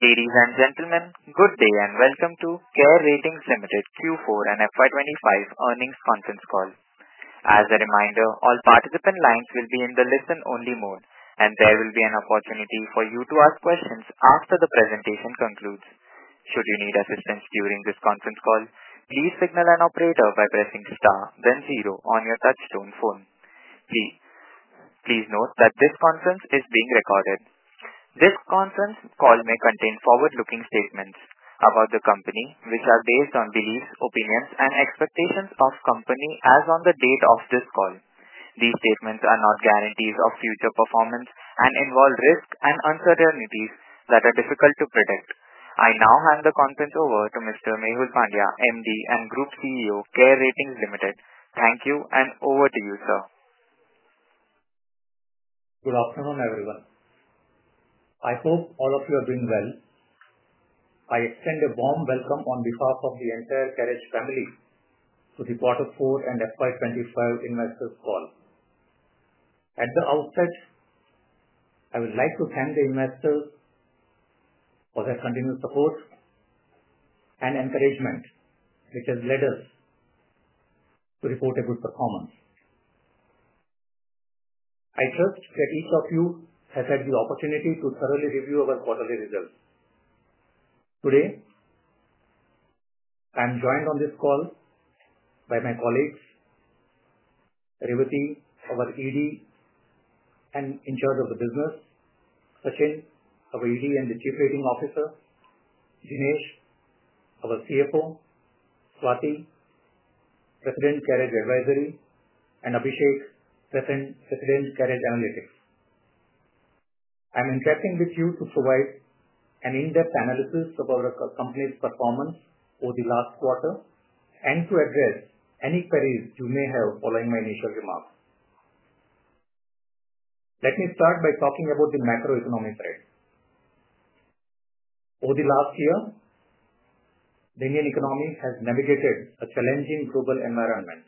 Ladies and gentlemen, good day and welcome to CARE Ratings Limited Q4 and FY2025 earnings conference call. As a reminder, all participant lines will be in the listen-only mode, and there will be an opportunity for you to ask questions after the presentation concludes. Should you need assistance during this conference call, please signal an operator by pressing star, then zero on your touchstone phone. Please note that this conference is being recorded. This conference call may contain forward-looking statements about the company, which are based on beliefs, opinions, and expectations of the company as of the date of this call. These statements are not guarantees of future performance and involve risks and uncertainties that are difficult to predict. I now hand the conference over to Mr. Mehul Pandya, MD and Group CEO, CARE Ratings Limited. Thank you and over to you, sir. Good afternoon, everyone. I hope all of you are doing well. I extend a warm welcome on behalf of the entire CARE family to the quarter four and FY25 investors' call. At the outset, I would like to thank the investors for their continued support and encouragement, which has led us to report a good performance. I trust that each of you has had the opportunity to thoroughly review our quarterly results. Today, I'm joined on this call by my colleagues, Revati, our ED and in charge of the business, Sachin, our ED and the Chief Rating Officer, Dinesh, our CFO, Swati, President, CARE Advisory, and Abhishek, President, CARE Analytics. I'm interacting with you to provide an in-depth analysis of our company's performance over the last quarter and to address any queries you may have following my initial remarks. Let me start by talking about the macroeconomic side. Over the last year, the Indian economy has navigated a challenging global environment.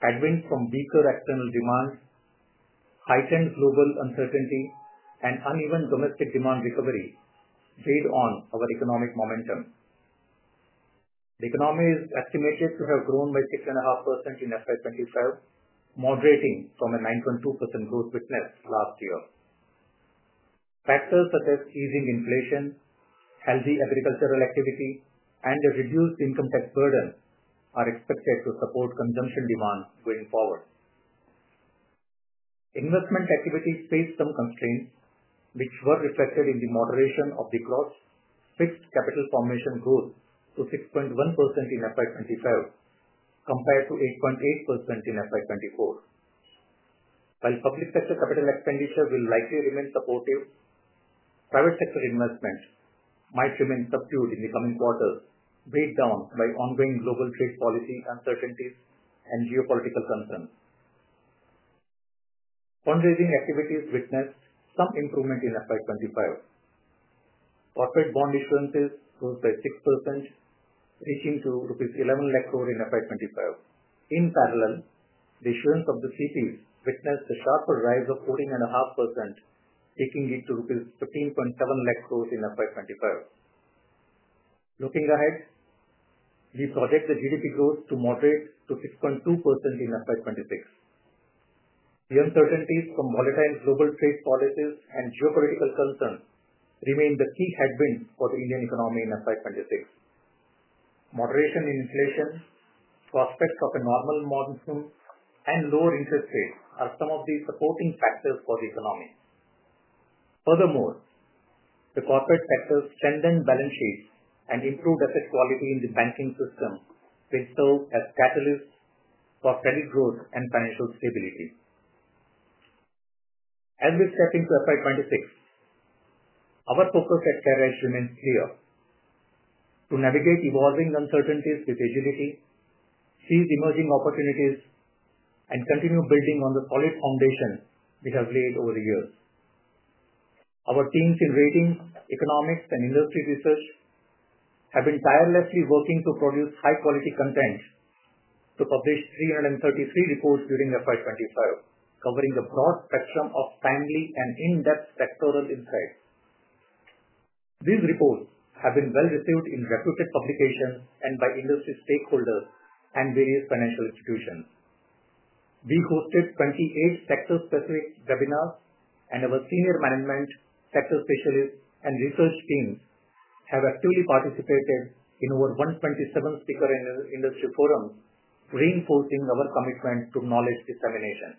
Advent from weaker external demand, heightened global uncertainty, and uneven domestic demand recovery weighed on our economic momentum. The economy is estimated to have grown by 6.5% in 2024-2025, moderating from a 9.2% growth witnessed last year. Factors such as easing inflation, healthy agricultural activity, and a reduced income tax burden are expected to support consumption demand going forward. Investment activity faced some constraints, which were reflected in the moderation of the gross fixed capital formation growth to 6.1% in 2024-2025 compared to 8.8% in 2023-2024. While public sector capital expenditure will likely remain supportive, private sector investment might remain subdued in the coming quarters, weighed down by ongoing global trade policy uncertainties and geopolitical concerns. Fund-raising activities witnessed some improvement in 2024-2025. Corporate bond issuances rose by 6%, reaching INR 11 lakh crore in 2024-2025. In parallel, the issuance of the CPs witnessed a sharper rise of 14.5%, taking it to rupees 15.7 lakh crore in FY 2025. Looking ahead, we project the GDP growth to moderate to 6.2% in FY 2026. The uncertainties from volatile global trade policies and geopolitical concerns remain the key headwinds for the Indian economy in FY 2026. Moderation in inflation, prospects of a normal monsoon, and lower interest rates are some of the supporting factors for the economy. Furthermore, the corporate sector's strengthened balance sheets and improved asset quality in the banking system will serve as catalysts for credit growth and financial stability. As we step into FY 2026, our focus at CARE remains clear: to navigate evolving uncertainties with agility, seize emerging opportunities, and continue building on the solid foundation we have laid over the years. Our teams in ratings, economics, and industry research have been tirelessly working to produce high-quality content to publish 333 reports during FY 2025, covering a broad spectrum of timely and in-depth sectoral insights. These reports have been well received in reputed publications and by industry stakeholders and various financial institutions. We hosted 28 sector-specific webinars, and our senior management, sector specialists, and research teams have actively participated in over 127 speaker industry forums, reinforcing our commitment to knowledge dissemination.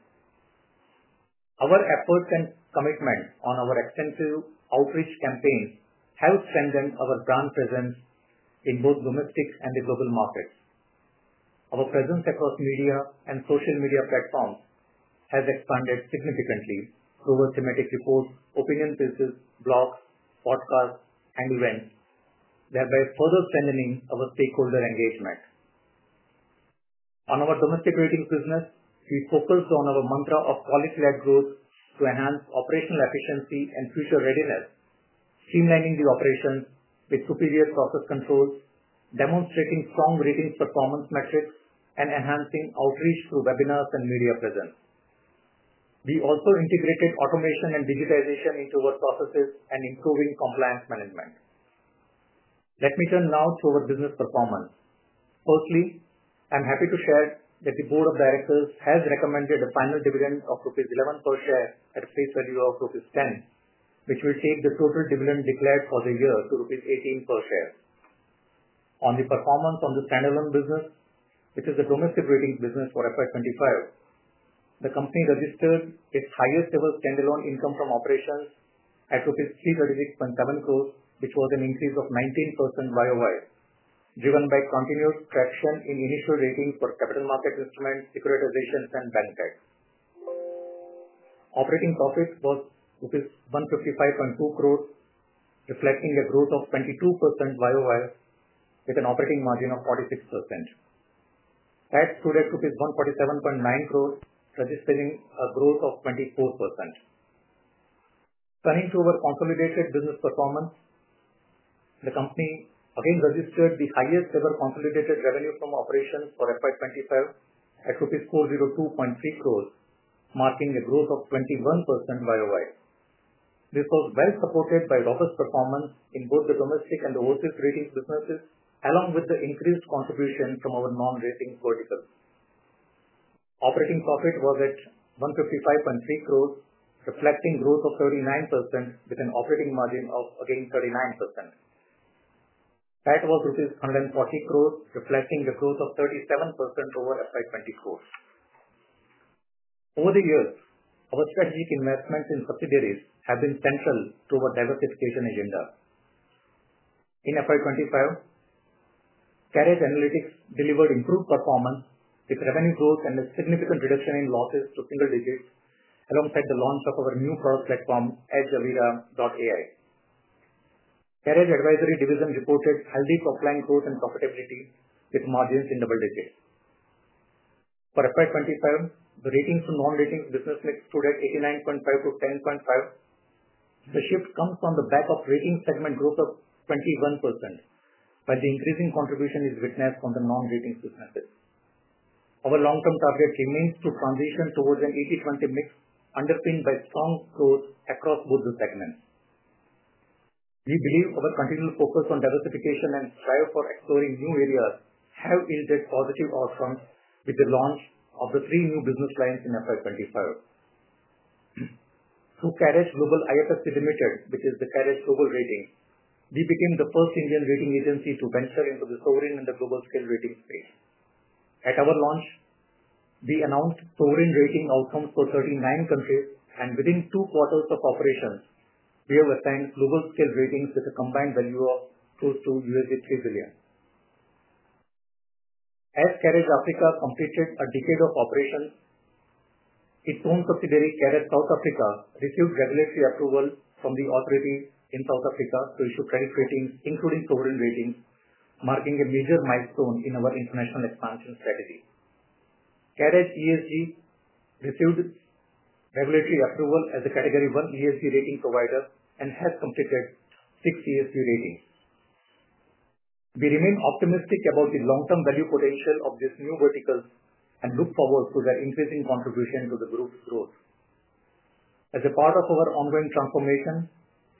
Our efforts and commitment on our extensive outreach campaign have strengthened our brand presence in both domestic and global markets. Our presence across media and social media platforms has expanded significantly through our thematic reports, opinion pieces, blogs, podcasts, and events, thereby further strengthening our stakeholder engagement. On our domestic ratings business, we focused on our mantra of quality-led growth to enhance operational efficiency and future readiness, streamlining the operations with superior process controls, demonstrating strong ratings performance metrics, and enhancing outreach through webinars and media presence. We also integrated automation and digitization into our processes and improving compliance management. Let me turn now to our business performance. Firstly, I'm happy to share that the Board of Directors has recommended a final dividend of rupees 11 per share at a face value of rupees 10, which will take the total dividend declared for the year to rupees 18 per share. On the performance on the standalone business, which is a domestic rating business for FY 2025, the company registered its highest-ever standalone income from operations at INR 336.7 crore, which was an increase of 19% year-over-year, driven by continued traction in initial ratings for capital market instruments, securitizations, and bank debt. Operating profit was rupees 155.2 crore, reflecting a growth of 22% year-over-year, with an operating margin of 46%. That stood at rupees 147.9 crore, registering a growth of 24%. Turning to our consolidated business performance, the company again registered the highest-ever consolidated revenue from operations for FY 2025 at INR 402.3 crore, marking a growth of 21% year-over-year. This was well supported by robust performance in both the domestic and overseas ratings businesses, along with the increased contribution from our non-rating verticals. Operating profit was at 155.3 crore, reflecting growth of 39%, with an operating margin of again 39%. That was rupees 140 crore, reflecting a growth of 37% over FY 2024. Over the years, our strategic investments in subsidiaries have been central to our diversification agenda. In FY 2025, CARE Analytics delivered improved performance with revenue growth and a significant reduction in losses to single digits, alongside the launch of our new product platform, EdgeAvira.ai. CareEdge Advisory Division reported healthy profiling growth and profitability, with margins in double digits. For FY 2025, the ratings to non-ratings business mix stood at 89.5%-10.5%. The shift comes from the back of rating segment growth of 21%, while the increasing contribution is witnessed on the non-ratings businesses. Our long-term target remains to transition towards an 80/20 mix, underpinned by strong growth across both the segments. We believe our continual focus on diversification and strive for exploring new areas have yielded positive outcomes with the launch of the three new business lines in FY 2025. Through CARE Global IFSC Limited, which is the CARE Global Rating, we became the first Indian rating agency to venture into the sovereign and the global scale rating space. At our launch, we announced sovereign rating outcomes for 39 countries, and within two quarters of operations, we have assigned global scale ratings with a combined value of close to $3 billion. As CARE Ratings Africa completed a decade of operations, its own subsidiary, CARE South Africa, received regulatory approval from the authorities in South Africa to issue credit ratings, including sovereign ratings, marking a major milestone in our international expansion strategy. CARE ESG received regulatory approval as a Category 1 ESG rating provider and has completed six ESG ratings. We remain optimistic about the long-term value potential of these new verticals and look forward to their increasing contribution to the group's growth. As a part of our ongoing transformation,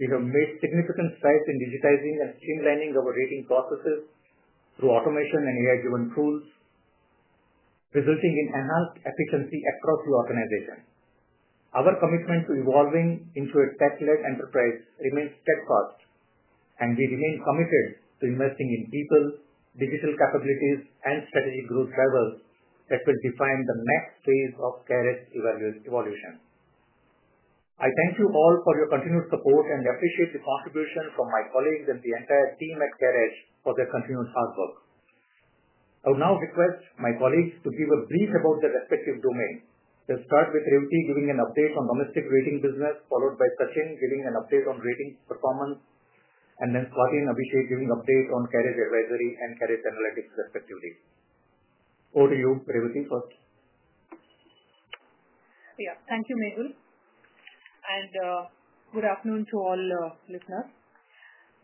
we have made significant strides in digitizing and streamlining our rating processes through automation and AI-driven tools, resulting in enhanced efficiency across the organization. Our commitment to evolving into a tech-led enterprise remains steadfast, and we remain committed to investing in people, digital capabilities, and strategic growth drivers that will define the next phase of CARE's evolution. I thank you all for your continued support and appreciate the contribution from my colleagues and the entire team at CARE for their continued hard work. I would now request my colleagues to give a brief about their respective domain. We'll start with Revati giving an update on domestic rating business, followed by Sachin giving an update on rating performance, and then Swati and Abhishek giving an update on CARE Advisory and CARE Analytics, respectively. Over to you, Revati, first. Yeah, thank you, Mehul. Good afternoon to all listeners.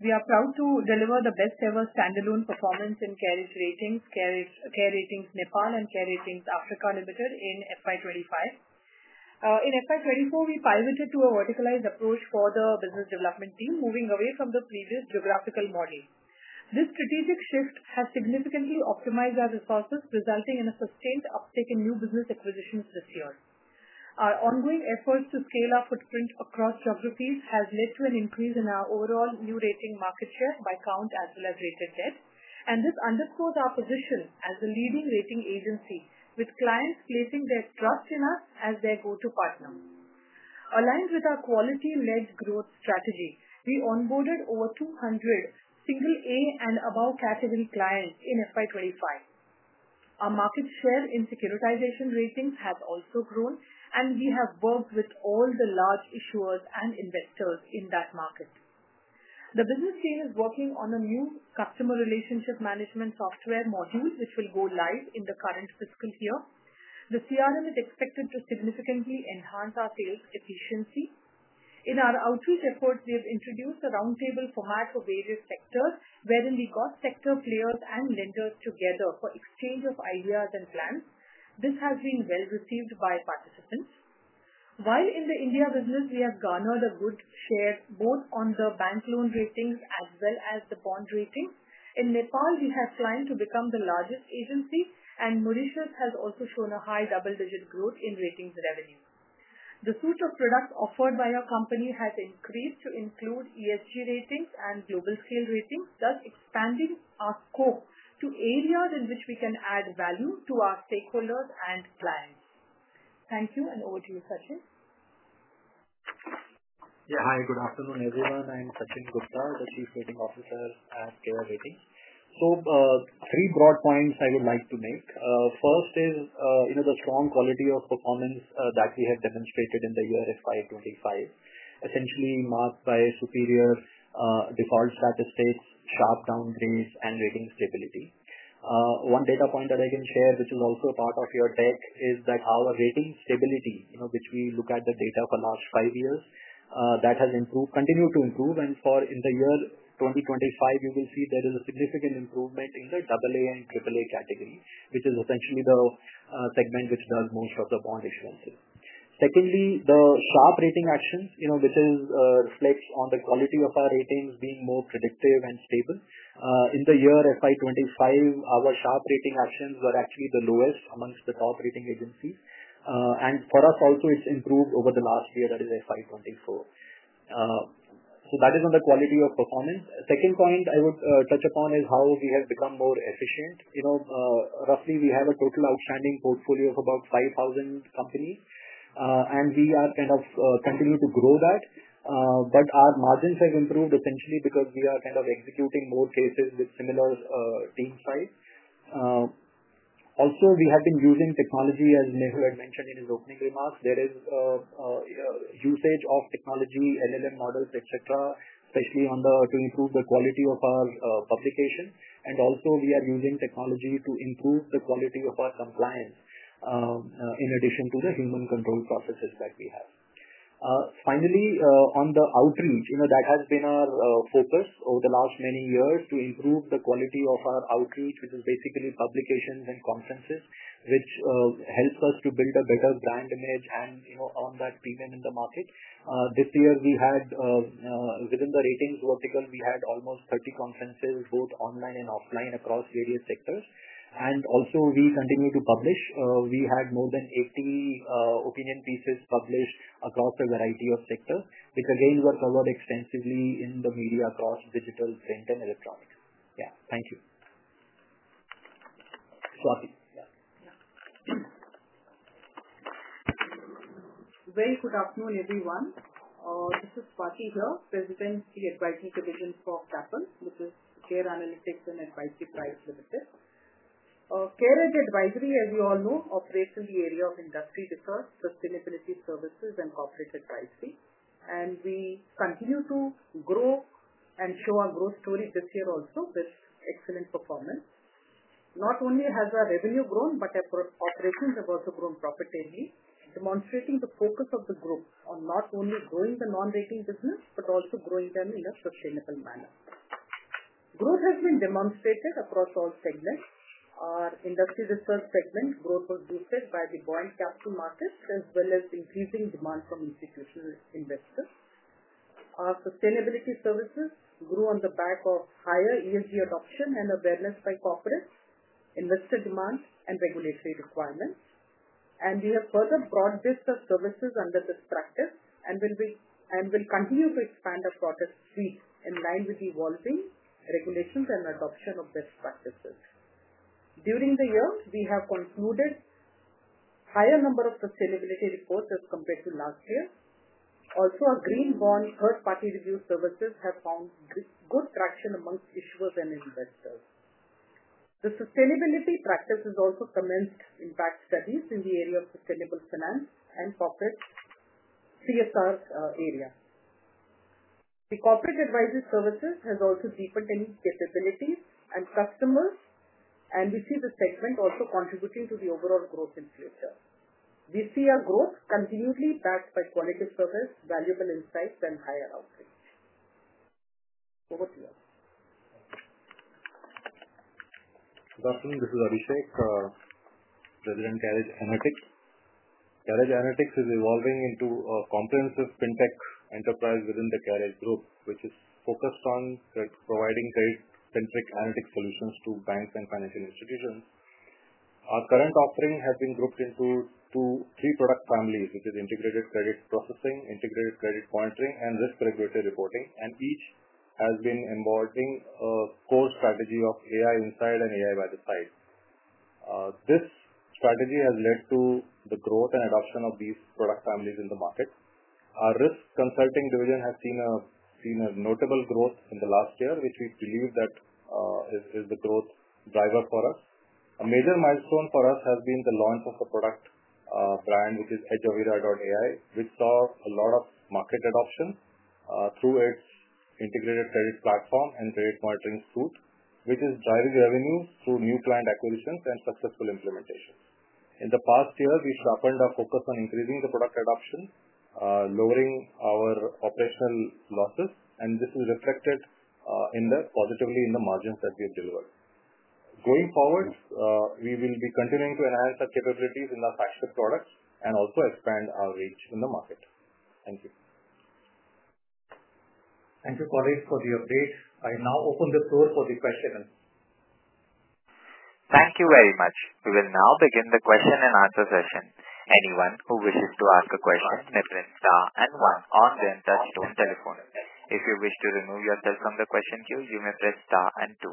We are proud to deliver the best-ever standalone performance in CARE Ratings, CARE Ratings Nepal, and CARE Ratings Africa Limited in FY25. In FY24, we pivoted to a verticalized approach for the business development team, moving away from the previous geographical model. This strategic shift has significantly optimized our resources, resulting in a sustained uptake in new business acquisitions this year. Our ongoing efforts to scale our footprint across geographies have led to an increase in our overall new rating market share by count as well as rated debt, and this underscores our position as a leading rating agency, with clients placing their trust in us as their go-to partner. Aligned with our quality-led growth strategy, we onboarded over 200 single A and above category clients in FY25. Our market share in securitization ratings has also grown, and we have worked with all the large issuers and investors in that market. The business team is working on a new customer relationship management software module, which will go live in the current fiscal year. The CRM is expected to significantly enhance our sales efficiency. In our outreach efforts, we have introduced a roundtable format for various sectors, wherein we got sector players and lenders together for exchange of ideas and plans. This has been well received by participants. While in the India business, we have garnered a good share both on the bank loan ratings as well as the bond ratings. In Nepal, we have climbed to become the largest agency, and Mauritius has also shown a high double-digit growth in ratings revenue. The suite of products offered by our company has increased to include ESG ratings and global scale ratings, thus expanding our scope to areas in which we can add value to our stakeholders and clients. Thank you, and over to you, Sachin. Yeah, hi, good afternoon, everyone. I'm Sachin Gupta, the Chief Rating Officer at CARE Ratings. So three broad points I would like to make. First is the strong quality of performance that we have demonstrated in the year FY25, essentially marked by superior default statistics, sharp downgrades, and rating stability. One data point that I can share, which is also part of your deck, is that our rating stability, which we look at the data for the last five years, that has continued to improve. And for the year 2025, you will see there is a significant improvement in the AA and AAA category, which is essentially the segment which does most of the bond issuances. Secondly, the sharp rating actions, which reflects on the quality of our ratings being more predictive and stable. In the year FY25, our sharp rating actions were actually the lowest amongst the top rating agencies. For us also, it's improved over the last year, that is FY24. That is on the quality of performance. The second point I would touch upon is how we have become more efficient. Roughly, we have a total outstanding portfolio of about 5,000 companies, and we are kind of continuing to grow that. Our margins have improved, essentially because we are kind of executing more cases with similar team size. Also, we have been using technology, as Mehul had mentioned in his opening remarks. There is usage of technology, LLM models, etc., especially to improve the quality of our publication. We are using technology to improve the quality of our compliance in addition to the human-controlled processes that we have. Finally, on the outreach, that has been our focus over the last many years to improve the quality of our outreach, which is basically publications and conferences, which helps us to build a better brand image and on that premium in the market. This year, within the ratings vertical, we had almost 30 conferences, both online and offline, across various sectors. We continue to publish. We had more than 80 opinion pieces published across a variety of sectors, which again were covered extensively in the media across digital, print, and electronics. Yeah, thank you. Swati. Yeah. Very good afternoon, everyone. This is Swati here, President of the Advisory Division for CARE, which is CARE Analytics and Advisory Private Limited. CARE Advisory, as you all know, operates in the area of industry research, sustainability services, and corporate advisory. We continue to grow and show our growth story this year also with excellent performance. Not only has our revenue grown, but our operations have also grown profitably, demonstrating the focus of the group on not only growing the non-rating business but also growing them in a sustainable manner. Growth has been demonstrated across all segments. Our industry research segment growth was boosted by the buoyed capital markets as well as increasing demand from institutional investors. Our sustainability services grew on the back of higher ESG adoption and awareness by corporate investor demand and regulatory requirements. We have further brought best of services under this practice and will continue to expand our product suite in line with evolving regulations and adoption of best practices. During the year, we have concluded a higher number of sustainability reports as compared to last year. Also, our green bond third-party review services have found good traction amongst issuers and investors. The sustainability practice has also commenced impact studies in the area of sustainable finance and corporate CSR area. The corporate advisory services have also deepened any capabilities and customers, and we see the segment also contributing to the overall growth in future. We see our growth continually backed by quality service, valuable insights, and higher outreach. Over to you. Good afternoon. This is Abhishek, President of CARE Analytics. CARE Analytics is evolving into a comprehensive fintech enterprise within the CARE Group, which is focused on providing credit-centric analytic solutions to banks and financial institutions. Our current offering has been grouped into three product families, which are integrated credit processing, integrated credit monitoring, and risk regulatory reporting, and each has been embodying a core strategy of AI inside and AI by the side. This strategy has led to the growth and adoption of these product families in the market. Our risk consulting division has seen a notable growth in the last year, which we believe is the growth driver for us. A major milestone for us has been the launch of the product brand, which is EdgeAvira.ai, which saw a lot of market adoption through its integrated credit platform and credit monitoring suite, which is driving revenues through new client acquisitions and successful implementations. In the past year, we sharpened our focus on increasing the product adoption, lowering our operational losses, and this is reflected positively in the margins that we have delivered. Going forward, we will be continuing to enhance our capabilities in our flagship products and also expand our reach in the market. Thank you. Thank you, colleagues, for the update. I now open the floor for the question and answer. Thank you very much. We will now begin the question and answer session. Anyone who wishes to ask a question may press star and one on the touchstone telephone. If you wish to remove yourself from the question queue, you may press star and two.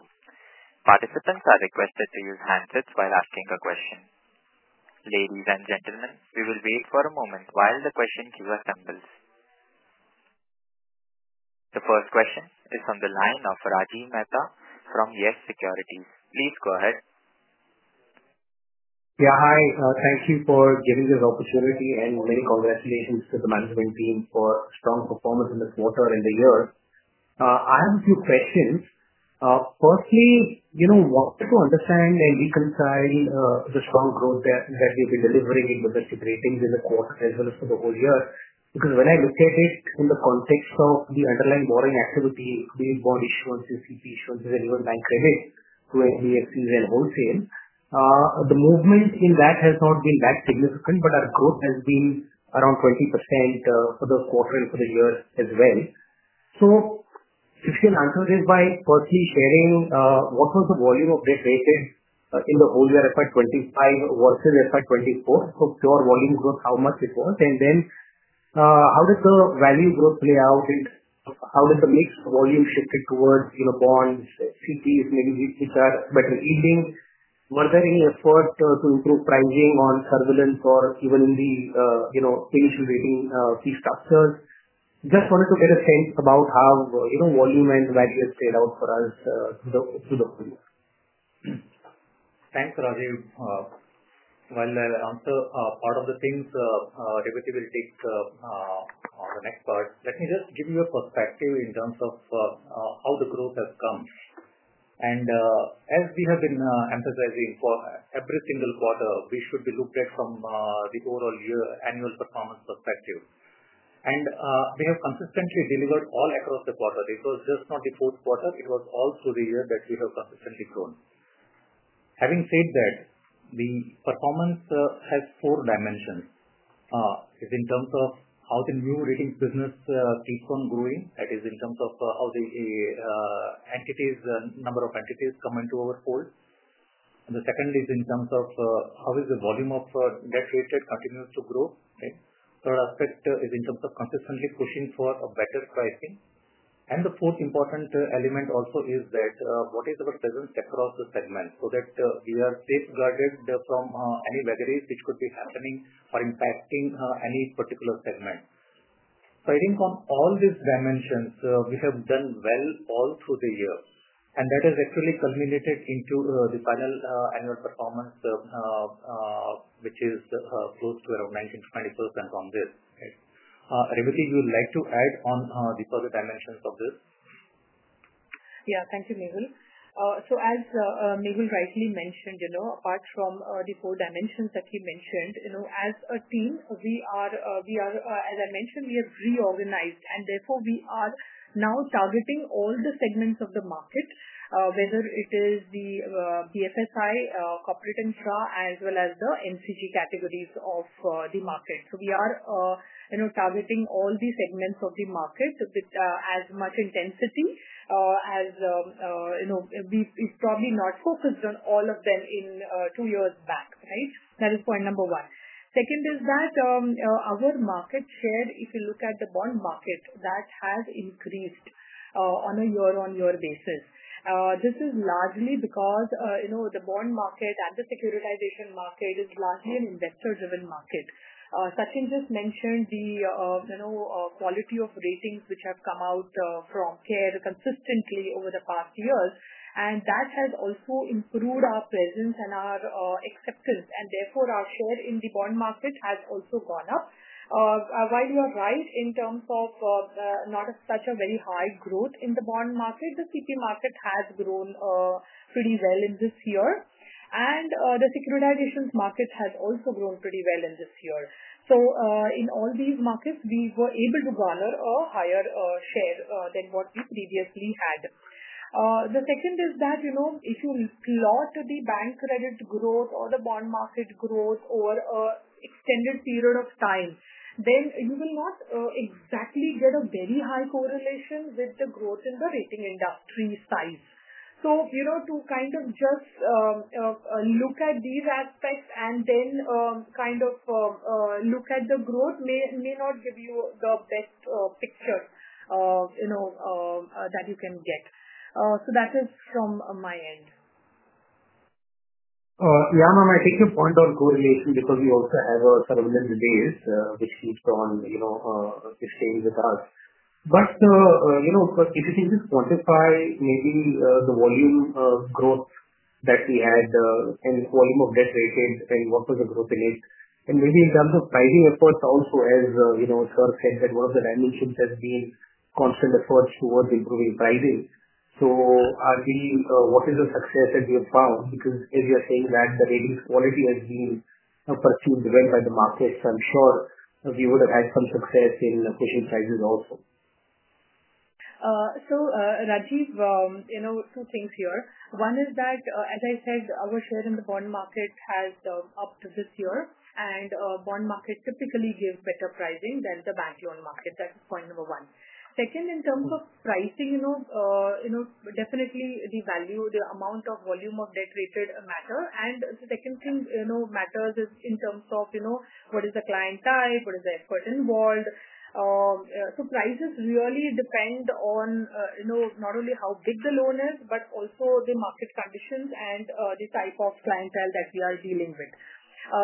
Participants are requested to use handsets while asking a question. Ladies and gentlemen, we will wait for a moment while the question queue assembles. The first question is from the line of Rajiv Mehta from Yes Securities. Please go ahead. Yeah, hi. Thank you for giving this opportunity, and many congratulations to the management team for strong performance in the quarter and the year. I have a few questions. Firstly, I wanted to understand and reconcile the strong growth that we've been delivering in domestic ratings in the quarter as well as for the whole year, because when I look at it in the context of the underlying borrowing activity, being bond issuances, CP issuances, and even bank credit through NBFCs and wholesale, the movement in that has not been that significant, but our growth has been around 20% for the quarter and for the year as well. If you can answer this by personally sharing, what was the volume of debt rated in the whole year FY2025 versus FY2024? Pure volume growth, how much it was? And then how did the value growth play out? How did the mixed volume shift towards bonds, CPs, maybe which are better yielding? Were there any efforts to improve pricing on surveillance or even in the initial rating fee structures? Just wanted to get a sense about how volume and value has played out for us through the whole year. Thanks, Rajiv. While I'll answer part of the things, Revati will take the next part. Let me just give you a perspective in terms of how the growth has come. As we have been emphasizing, for every single quarter, we should be looked at from the overall year annual performance perspective. We have consistently delivered all across the quarter. This was just not the fourth quarter. It was all through the year that we have consistently grown. Having said that, the performance has four dimensions. It's in terms of how the new rating business keeps on growing. That is in terms of how the number of entities come into our fold. The second is in terms of how the volume of debt rated continues to grow. Third aspect is in terms of consistently pushing for better pricing. The fourth important element also is that what is our presence across the segment so that we are safeguarded from any waggeries which could be happening or impacting any particular segment. I think on all these dimensions, we have done well all through the year, and that has actually culminated into the final annual performance, which is close to around 19-20% on this. Revati, you would like to add on the further dimensions of this? Yeah, thank you, Mehul. As Mehul rightly mentioned, apart from the four dimensions that you mentioned, as a team, as I mentioned, we have reorganized, and therefore we are now targeting all the segments of the market, whether it is the BFSI, corporate infra, as well as the MCG categories of the market. We are targeting all the segments of the market with as much intensity as we probably not focused on all of them two years back, right? That is point number one. Second is that our market share, if you look at the bond market, that has increased on a year-on-year basis. This is largely because the bond market and the securitization market is largely an investor-driven market. Sachin just mentioned the quality of ratings which have come out from CARE consistently over the past years, and that has also improved our presence and our acceptance. Therefore, our share in the bond market has also gone up. While you are right in terms of not such a very high growth in the bond market, the CP market has grown pretty well in this year, and the securitization market has also grown pretty well in this year. In all these markets, we were able to garner a higher share than what we previously had. The second is that if you plot the bank credit growth or the bond market growth over an extended period of time, then you will not exactly get a very high correlation with the growth in the rating industry size. To kind of just look at these aspects and then kind of look at the growth may not give you the best picture that you can get. That is from my end. Yeah, ma'am, I think your point on correlation because we also have a surveillance base which keeps on exchange with us. If you can just quantify maybe the volume growth that we had and volume of debt rated and what was the growth in it. Maybe in terms of pricing efforts also, as Sir said, that one of the dimensions has been constant efforts towards improving pricing. What is the success that you have found? Because as you are saying that the rating quality has been perceived well by the markets, I'm sure we would have had some success in pushing prices also. Rajiv, two things here. One is that, as I said, our share in the bond market has upped this year, and bond market typically gives better pricing than the bank loan market. That's point number one. Second, in terms of pricing, definitely the value, the amount of volume of debt rated matter. And the second thing matters is in terms of what is the client type, what is the expert involved. So prices really depend on not only how big the loan is, but also the market conditions and the type of clientele that we are dealing with.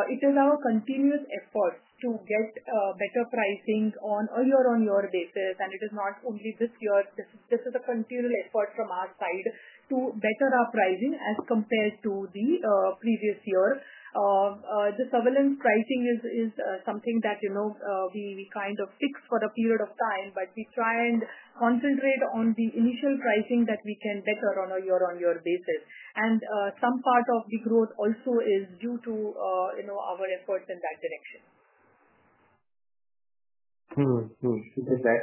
It is our continuous effort to get better pricing on a year-on-year basis, and it is not only this year. This is a continual effort from our side to better our pricing as compared to the previous year. The surveillance pricing is something that we kind of fix for a period of time, but we try and concentrate on the initial pricing that we can better on a year-on-year basis. Some part of the growth also is due to our efforts in that direction. Okay.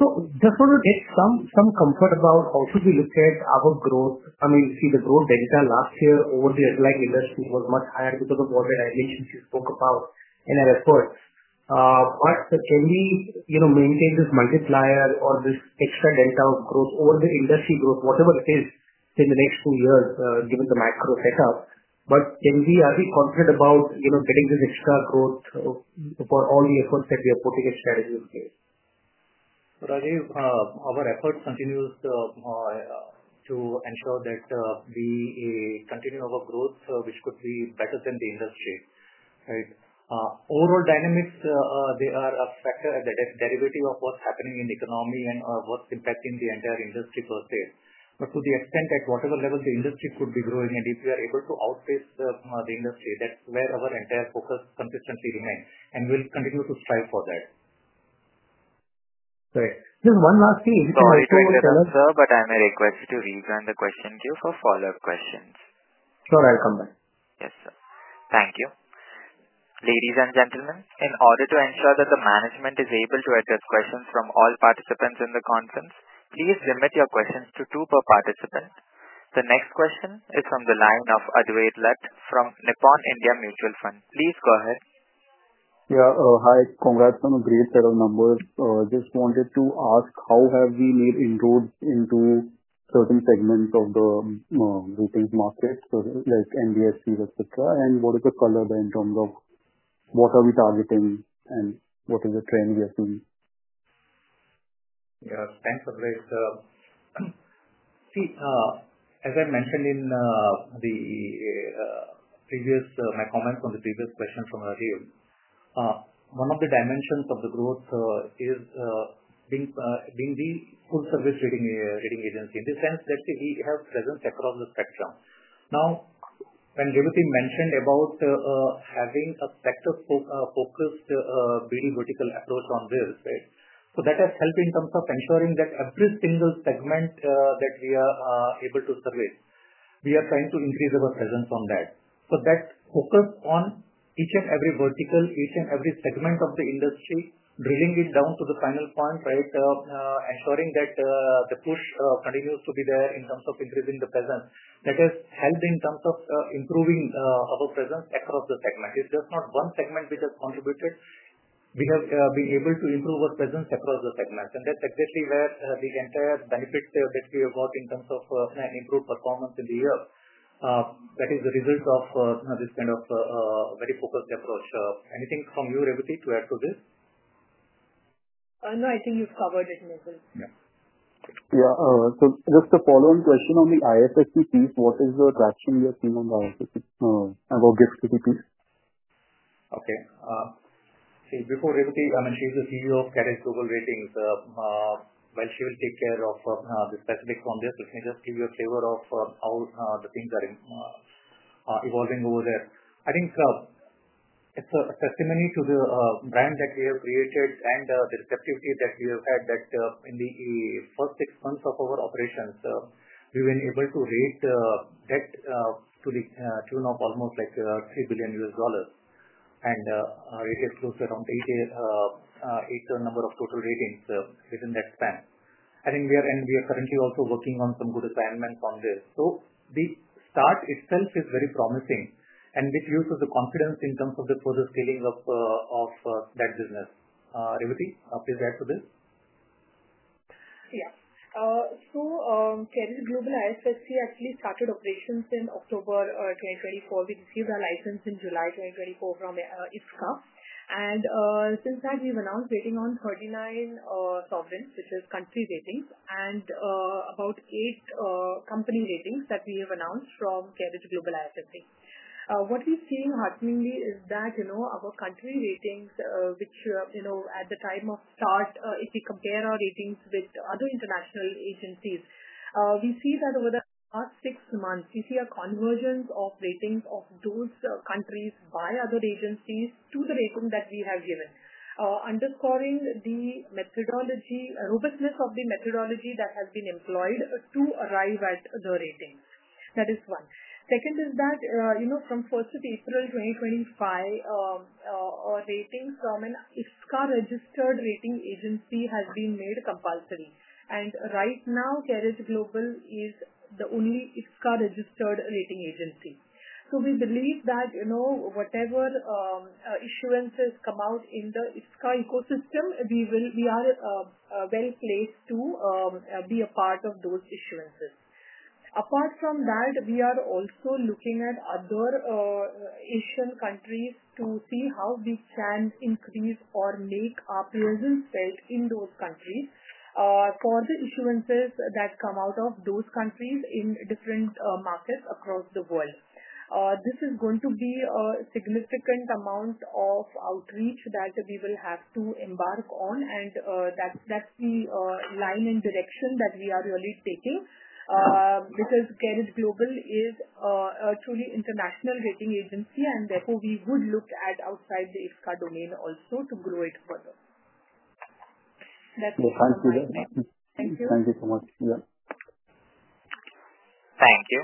So just want to get some comfort about how should we look at our growth? I mean, you see the growth delta last year over the underlying industry was much higher because of all the dimensions you spoke about in our efforts. Can we maintain this multiplier or this extra delta of growth over the industry growth, whatever it is, in the next two years given the macro setup? Can we be confident about getting this extra growth for all the efforts that we are putting in strategy in place? Rajiv, our effort continues to ensure that we continue our growth, which could be better than the industry, right? Overall dynamics, they are a factor, a derivative of what's happening in the economy and what's impacting the entire industry per se. To the extent that whatever level the industry could be growing, and if we are able to outpace the industry, that's where our entire focus consistently remains, and we'll continue to strive for that. Great. Just one last thing. If you can also tell us. Sir, but I may request you to rejoin the question queue for follow-up questions. Sure, I'll come back. Yes, sir. Thank you. Ladies and gentlemen, in order to ensure that the management is able to address questions from all participants in the conference, please limit your questions to two per participant. The next question is from the line of Advait Leath from Nippon India Mutual Fund. Please go ahead. Yeah, hi. Congrats on a great set of numbers. Just wanted to ask how have we made inroads into certain segments of the rating market, like NBFCs, etc., and what is the color there in terms of what are we targeting and what is the trend we are seeing? Yes, thanks, Advait. See, as I mentioned in my comments on the previous question from Rajiv, one of the dimensions of the growth is being the full-service rating agency. In the sense that we have presence across the spectrum. Now, when Revati mentioned about having a sector-focused BD vertical approach on this, right? That has helped in terms of ensuring that every single segment that we are able to survey. We are trying to increase our presence on that. That focus on each and every vertical, each and every segment of the industry, drilling it down to the final point, right? Ensuring that the push continues to be there in terms of increasing the presence. That has helped in terms of improving our presence across the segment. It's just not one segment which has contributed. We have been able to improve our presence across the segments. That is exactly where the entire benefit that we have got in terms of an improved performance in the year. That is the result of this kind of very focused approach. Anything from you, Revati, to add to this? No, I think you've covered it, Mehul. Yeah. Just a follow-on question on the IFSC piece. What is the traction we have seen on the IFSC or GIFT CP piece? Okay. See, before Revati, I mean, she's the CEO of CARE Global Ratings. She will take care of the specifics on this. Let me just give you a flavor of how the things are evolving over there. I think it's a testimony to the brand that we have created and the receptivity that we have had that in the first six months of our operations, we've been able to rate debt to the tune of almost like $3 billion and rated close to around eight number of total ratings within that span. We are currently also working on some good assignments on this. The start itself is very promising, and this gives us the confidence in terms of the further scaling of that business. Revati, please add to this. Yeah. So CARE Global IFSC actually started operations in October 2024. We received our license in July 2024 from IFSCA. And since that, we have announced ratings on 39 sovereigns, which is country ratings, and about eight company ratings that we have announced from CARE Global IFSC. What we have seen hearteningly is that our country ratings, which at the time of start, if we compare our ratings with other international agencies, we see that over the past six months, we see a convergence of ratings of those countries by other agencies to the rating that we have given, underscoring the robustness of the methodology that has been employed to arrive at the ratings. That is one. Second is that from 1st of April 2025, a rating from an IFSCA-registered rating agency has been made compulsory. And right now, CARE Global is the only IFSCA-registered rating agency. We believe that whatever issuances come out in the IFSCA ecosystem, we are well placed to be a part of those issuances. Apart from that, we are also looking at other Asian countries to see how we can increase or make our presence felt in those countries for the issuances that come out of those countries in different markets across the world. This is going to be a significant amount of outreach that we will have to embark on, and that is the line and direction that we are really taking because CARE Global is a truly international rating agency, and therefore we would look at outside the IFSCA domain also to grow it further. That is it. Thank you very much. Thank you. Thank you so much. Yeah. Thank you.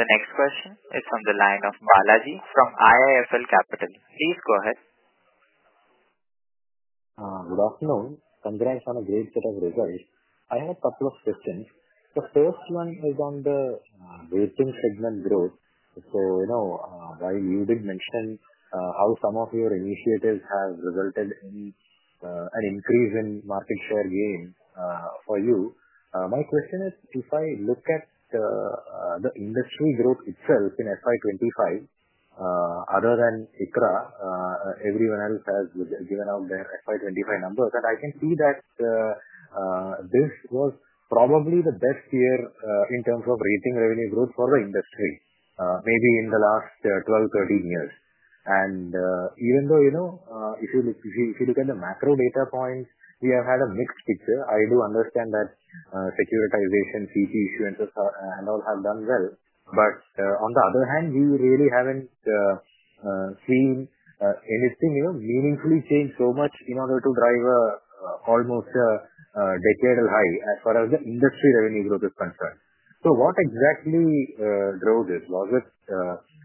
The next question is from the line of Balaji from IIFL Capital. Please go ahead. Good afternoon. Congrats on a great set of results. I have a couple of questions. The first one is on the rating segment growth. While you did mention how some of your initiatives have resulted in an increase in market share gain for you, my question is, if I look at the industry growth itself in FY 2025, other than ICRA, everyone else has given out their FY 2025 numbers, and I can see that this was probably the best year in terms of rating revenue growth for the industry, maybe in the last 12-13 years. Even though if you look at the macro data points, we have had a mixed picture. I do understand that securitization, CP issuances, and all have done well. On the other hand, we really have not seen anything meaningfully change so much in order to drive almost a decade high as far as the industry revenue growth is concerned. What exactly drove this? Was it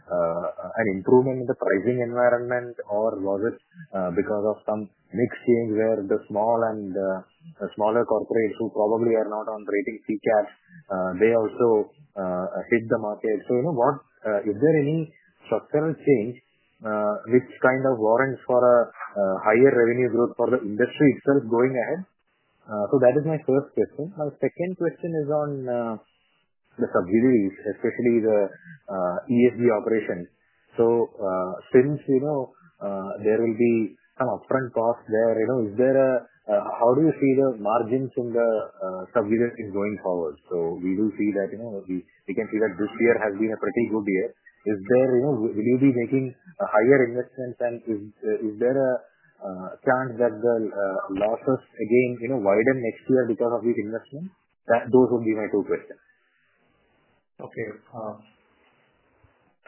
an improvement in the pricing environment, or was it because of some mix change where the small and smaller corporates who probably are not on rating CCATs, they also hit the market? Is there any structural change which kind of warrants for a higher revenue growth for the industry itself going ahead? That is my first question. My second question is on the subsidiaries, especially the ESG operations. Since there will be some upfront costs there, how do you see the margins in the subsidiaries going forward? We do see that we can see that this year has been a pretty good year. Will you be making higher investments, and is there a chance that the losses again widen next year because of these investments? Those would be my two questions. Okay.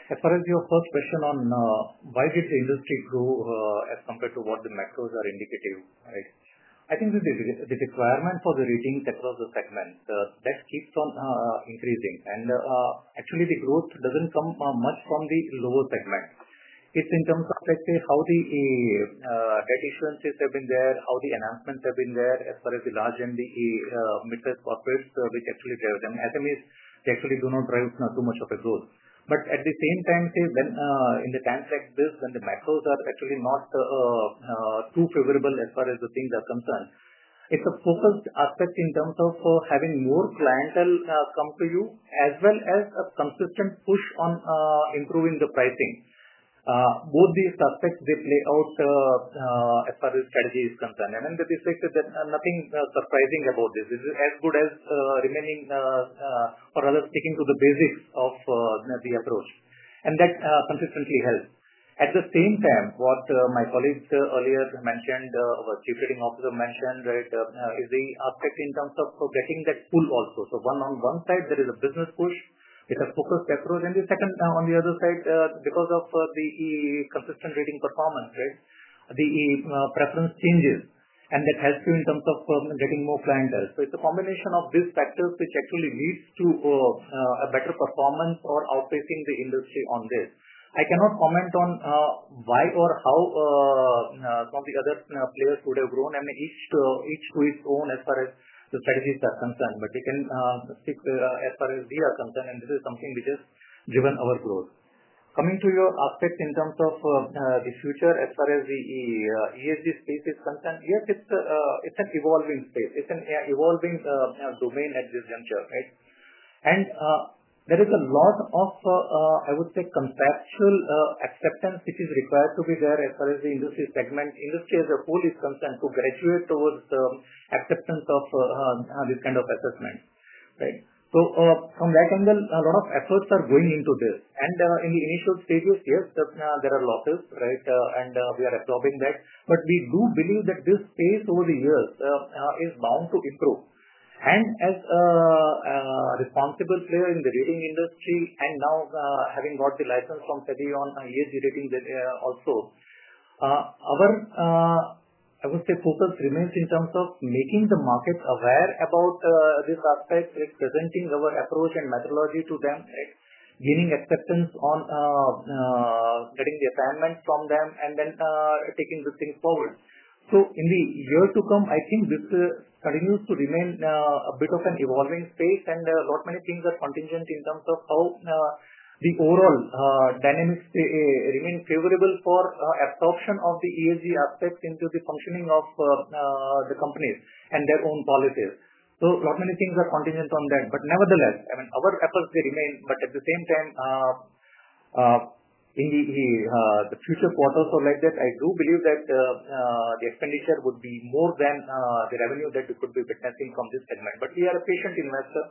As far as your first question on why did the industry grow as compared to what the macros are indicating, right? I think the requirement for the ratings across the segment, that keeps on increasing. Actually, the growth does not come much from the lower segment. It is in terms of how the debt issuances have been there, how the announcements have been there as far as the large and the mid-size corporates which actually drive them. SMEs, they actually do not drive too much of a growth. At the same time, in the time flex, when the macros are actually not too favorable as far as the things are concerned, it is a focused aspect in terms of having more clientele come to you as well as a consistent push on improving the pricing. Both these aspects, they play out as far as strategy is concerned. There is nothing surprising about this. This is as good as remaining or rather sticking to the basics of the approach. That consistently helps. At the same time, what my colleagues earlier mentioned, our Chief Rating Officer mentioned, is the aspect in terms of getting that pull also. One side, there is a business push with a focused approach. On the other side, because of the consistent rating performance, the preference changes, and that helps you in terms of getting more clientele. It is a combination of these factors which actually leads to a better performance or outpacing the industry on this. I cannot comment on why or how some of the other players could have grown and each to its own as far as the strategies are concerned. We can speak as far as we are concerned, and this is something which has driven our growth. Coming to your aspect in terms of the future as far as the ESG space is concerned, yes, it's an evolving space. It's an evolving domain at this juncture, right? There is a lot of, I would say, conceptual acceptance which is required to be there as far as the industry segment, industry as a whole is concerned to graduate towards acceptance of this kind of assessment, right? From that angle, a lot of efforts are going into this. In the initial stages, yes, there are losses, right, and we are absorbing that. We do believe that this space over the years is bound to improve. As a responsible player in the rating industry and now having got the license from SEDI on ESG rating also, our, I would say, focus remains in terms of making the market aware about this aspect, presenting our approach and methodology to them, gaining acceptance on getting the assignments from them, and then taking good things forward. In the year to come, I think this continues to remain a bit of an evolving space, and a lot many things are contingent in terms of how the overall dynamics remain favorable for absorption of the ESG aspects into the functioning of the companies and their own policies. A lot many things are contingent on that. Nevertheless, I mean, our efforts, they remain. At the same time, in the future quarters or like that, I do believe that the expenditure would be more than the revenue that you could be witnessing from this segment. We are a patient investor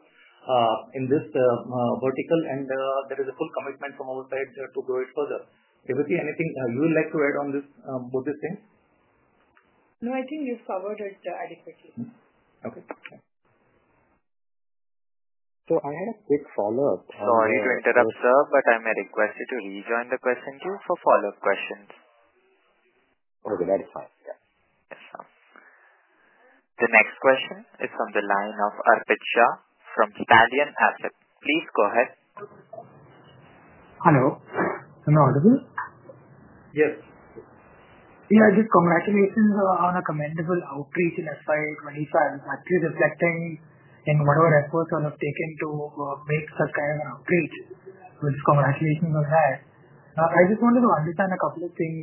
in this vertical, and there is a full commitment from our side to grow it further. Revati, anything you would like to add on both these things? No, I think you've covered it adequately. Okay. Thanks. I had a quick follow-up. Sorry to interrupt, sir, but I may request you to rejoin the question queue for follow-up questions. Okay, that is fine. Yeah. Yes, sir. The next question is from the line of Arpit Shah from STALLion Asset. Please go ahead. Hello. Can you all hear me? Yes. Yeah, just congratulations on a commendable outreach in FI25, actually reflecting in whatever efforts you have taken to make such kind of an outreach. Congratulations on that. I just wanted to understand a couple of things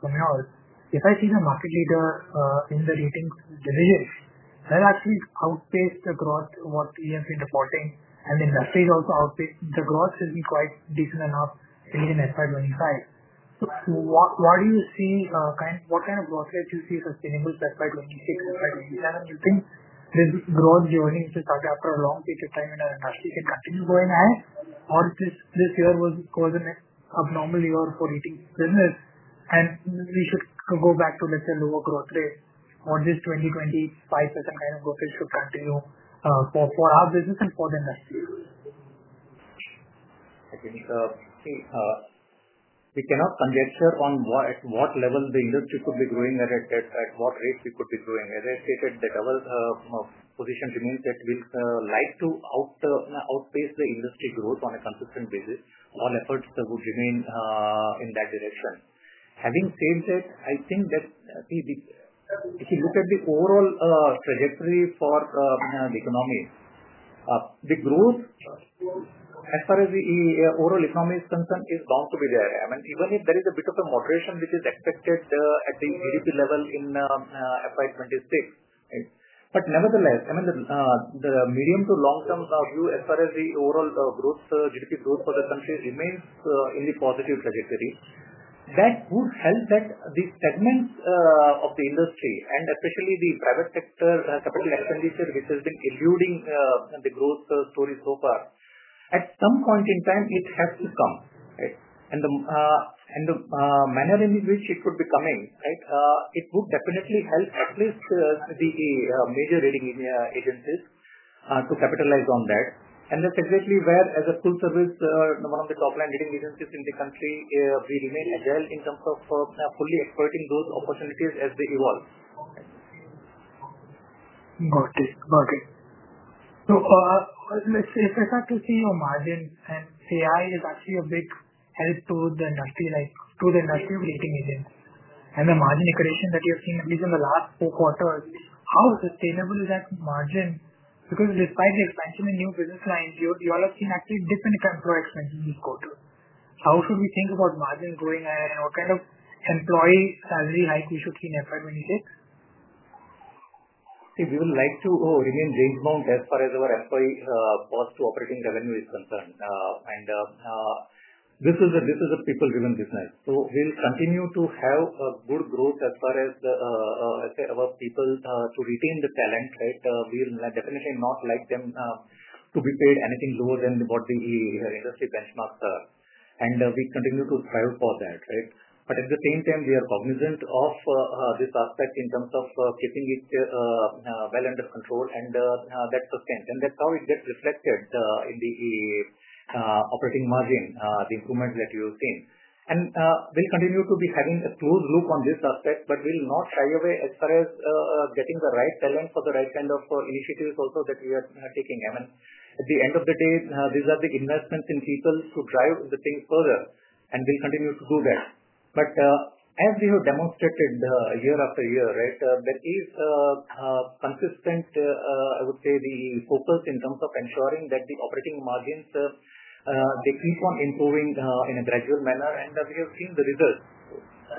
from yours. If I see the market leader in the ratings division, they've actually outpaced across what we have been reporting, and the industry has also outpaced. The growth has been quite decent enough in FI25. What do you see? What kind of growth rate do you see sustainable for FI26, FI27? Do you think this growth, the earnings which you started after a long period of time in our industry can continue going ahead, or this year was an abnormal year for rating business, and we should go back to, let's say, a lower growth rate, or this 2025-present kind of growth rate should continue for our business and for the industry? I think we cannot conjecture on at what level the industry could be growing and at what rate we could be growing. As I stated, the double position remains that we like to outpace the industry growth on a consistent basis. All efforts would remain in that direction. Having said that, I think that if you look at the overall trajectory for the economy, the growth as far as the overall economy is concerned is bound to be there. I mean, even if there is a bit of a moderation which is expected at the GDP level in financial year 2026, right? Nevertheless, I mean, the medium to long-term view as far as the overall GDP growth for the country remains in the positive trajectory. That would help that the segments of the industry, and especially the private sector capital expenditure, which has been eluding the growth story so far, at some point in time, it has to come, right? The manner in which it could be coming, right, it would definitely help at least the major rating agencies to capitalize on that. That is exactly where, as a full-service, one of the top-line rating agencies in the country, we remain agile in terms of fully exploiting those opportunities as they evolve. Got it. Got it. If I start to see your margins, and AI is actually a big help to the industry, to the industry of rating agencies, and the margin equation that you have seen at least in the last four quarters, how sustainable is that margin? Because despite the expansion in new business lines, you all have seen actually different kind of employee expenses this quarter. How should we think about margin growing and what kind of employee salary hike we should see in FY 2026? We would like to remain range-bound as far as our employee cost to operating revenue is concerned. This is a people-driven business. We will continue to have good growth as far as, let's say, our people to retain the talent, right? We will definitely not like them to be paid anything lower than what the industry benchmarks are. We continue to strive for that, right? At the same time, we are cognizant of this aspect in terms of keeping it well under control, and that is the same. That is how it gets reflected in the operating margin, the improvements that you have seen. We will continue to be having a close look on this aspect, but we will not shy away as far as getting the right talent for the right kind of initiatives also that we are taking. I mean, at the end of the day, these are the investments in people to drive the things further, and we'll continue to do that. As we have demonstrated year-after-year, right, there is consistent, I would say, the focus in terms of ensuring that the operating margins, they keep on improving in a gradual manner, and we have seen the results.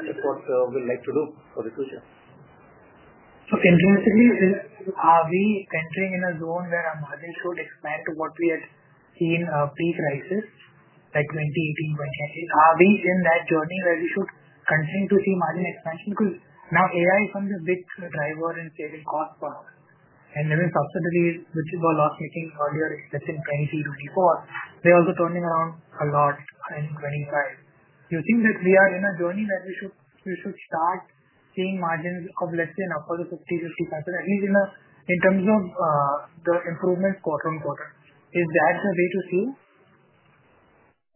That's what we would like to do for the future. Conclusively, are we entering in a zone where our margin should expand to what we had seen pre-crisis, like 2018, 2019? Are we in that journey where we should continue to see margin expansion? Because now AI is one of the big drivers in saving costs for us. Then subsidiaries, which were loss-making earlier, let's say in 2023, 2024, they're also turning around a lot in 2025. Do you think that we are in a journey where we should start seeing margins of, let's say, an upward of 50-55%, at least in terms of the improvements quarter on quarter? Is that the way to see?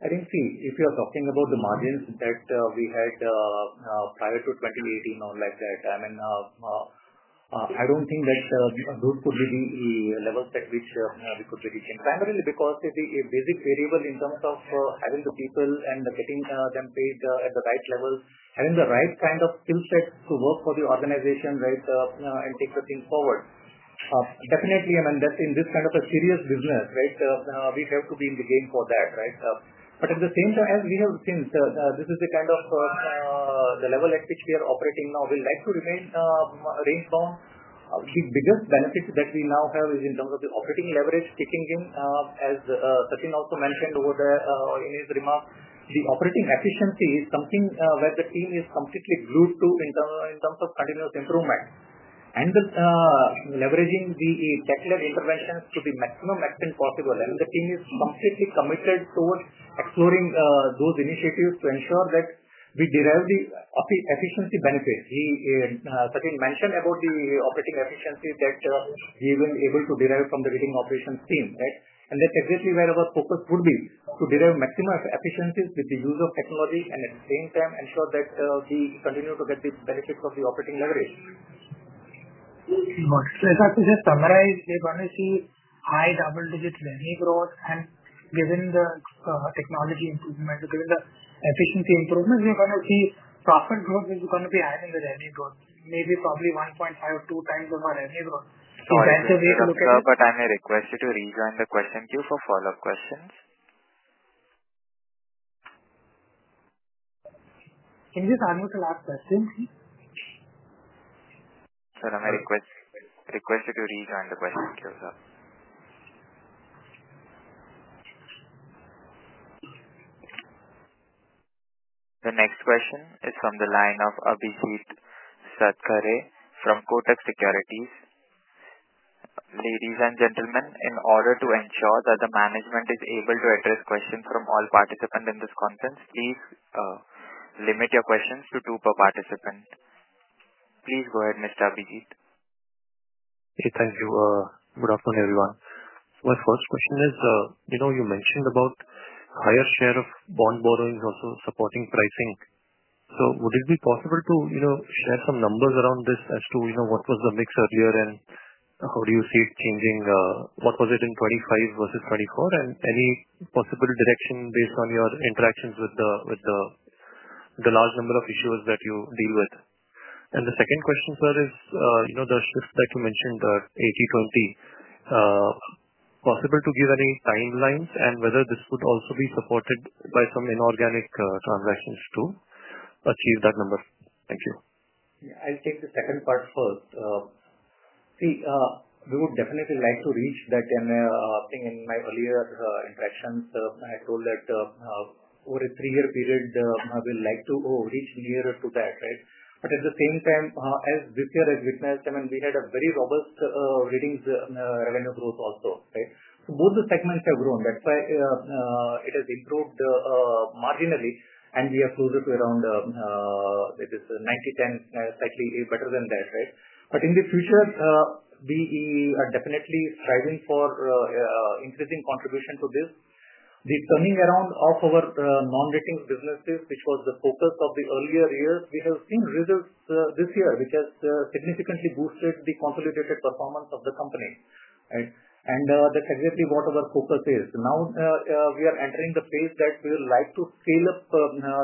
I think, see, if you're talking about the margins that we had prior to 2018 or like that, I mean, I don't think that those could be the levels at which we could be reaching. Primarily because it's a basic variable in terms of having the people and getting them paid at the right level, having the right kind of skill set to work for the organization, right, and take the things forward. Definitely, I mean, in this kind of a serious business, right, we have to be in the game for that, right? At the same time, as we have seen, this is the kind of the level at which we are operating now. We'd like to remain range-bound. The biggest benefit that we now have is in terms of the operating leverage kicking in, as Sachin also mentioned over there in his remark. The operating efficiency is something where the team is completely glued to in terms of continuous improvement and leveraging the tech-led interventions to the maximum extent possible. The team is completely committed towards exploring those initiatives to ensure that we derive the efficiency benefits. Sachin mentioned about the operating efficiencies that we will be able to derive from the rating operations team, right? That is exactly where our focus would be to derive maximum efficiencies with the use of technology and at the same time ensure that we continue to get the benefits of the operating leverage. If I could just summarize, we're going to see high double-digit revenue growth. Given the technology improvements, given the efficiency improvements, we're going to see profit growth is going to be higher than the revenue growth, maybe probably 1.5 or 2 times of our revenue growth. That's the way to look at it. Sir, I may request you to rejoin the question queue for follow-up questions. Can you just ask me the last question? Sir, I may request you to rejoin the question queue, sir. The next question is from the line of Abhijit Satkare from Kotak Securities. Ladies and gentlemen, in order to ensure that the management is able to address questions from all participants in this conference, please limit your questions to two per participant. Please go ahead, Mr. Abhijit. Hey, thank you. Good afternoon, everyone. My first question is, you mentioned about a higher share of bond borrowings also supporting pricing. Would it be possible to share some numbers around this as to what was the mix earlier and how do you see it changing? What was it in 2025 versus 2024? Any possible direction based on your interactions with the large number of issuers that you deal with? The second question, sir, is the shift that you mentioned, 80/20. Possible to give any timelines and whether this would also be supported by some inorganic transactions to achieve that number? Thank you. Yeah, I'll take the second part first. See, we would definitely like to reach that. I think in my earlier interactions, I told that over a three-year period, we'd like to reach nearer to that, right? At the same time, as Vishwakarma has witnessed, I mean, we had a very robust rating revenue growth also, right? Both the segments have grown. That's why it has improved marginally, and we are closer to around, I guess, 90/10, slightly better than that, right? In the future, we are definitely striving for increasing contribution to this. The turning around of our non-rating businesses, which was the focus of the earlier years, we have seen results this year, which has significantly boosted the consolidated performance of the company, right? That's exactly what our focus is. Now we are entering the phase that we would like to scale up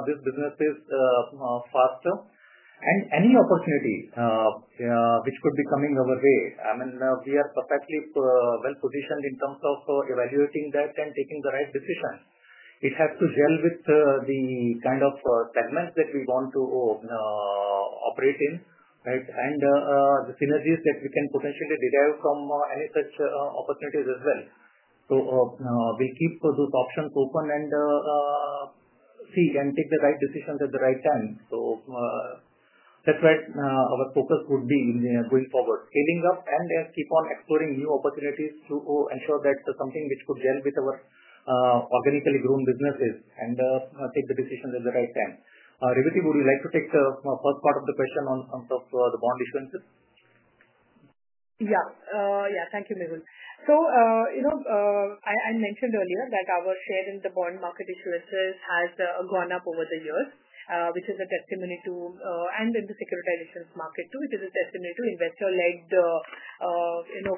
these businesses faster. Any opportunity which could be coming our way, I mean, we are perfectly well-positioned in terms of evaluating that and taking the right decision. It has to gel with the kind of segments that we want to operate in, right? The synergies that we can potentially derive from any such opportunities as well. We will keep those options open and see and take the right decisions at the right time. That is where our focus would be going forward, scaling up and keep on exploring new opportunities to ensure that something which could gel with our organically grown businesses and take the decisions at the right time. Revati, would you like to take the first part of the question on terms of the bond issuances? Yeah. Yeah, thank you, Mehul. I mentioned earlier that our share in the bond market issuances has gone up over the years, which is a testimony to, and in the securitization market too, which is a testimony to investor-led